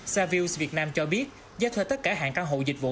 savills việt nam cho biết giá thuê tất cả hạng căn hộ dịch vụ